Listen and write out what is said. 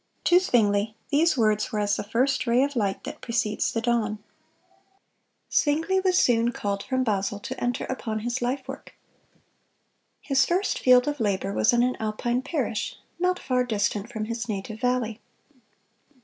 To Zwingle these words were as the first ray of light that precedes the dawn. Zwingle was soon called from Basel, to enter upon his life work. His first field of labor was in an Alpine parish, not far distant from his native valley.